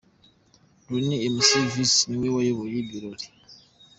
Ronnie Mc Vex niwe wayoboye ibyo birori.